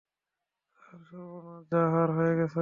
Sir, সর্বনাশ যা হওয়ার হয়ে গেছে।